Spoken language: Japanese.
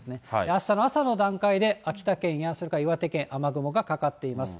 あしたの朝の段階で、秋田県やそれから岩手県、雨雲がかかっています。